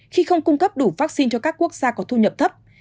khi không cung cấp đủ vaccine cho các quốc gia có thu nhập thấp